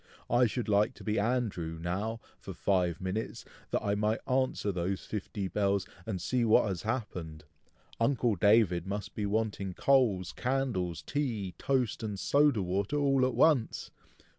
"I should like to be Andrew, now, for five minutes, that I might answer those fifty bells, and see what has happened. Uncle David must be wanting coals, candles, tea, toast, and soda water, all at once!